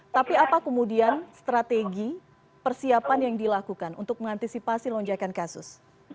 tapi apa kemudian strategi persiapan yang dilakukan untuk mengantisipasi lonjakan kasus